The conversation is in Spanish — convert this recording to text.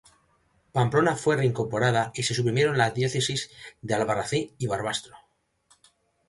Pamplona fue reincorporada y se suprimieron las diócesis de Albarracín y Barbastro.